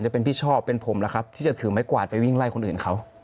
จะเป็นพี่ชอบเป็นผมล่ะครับที่จะถือไม้กวาดไปวิ่งไล่คนอื่นเขา